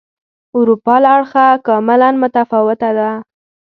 اروپا له اړخه کاملا متفاوته وه.